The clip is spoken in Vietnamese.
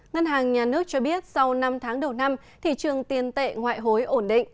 ngân hàng nhà nước cho biết sau năm tháng đầu năm thị trường tiền tệ ngoại hối ổn định